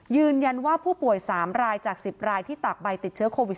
ยืนยันว่าผู้ป่วย๓รายจาก๑๐รายที่ตากใบติดเชื้อโควิด๑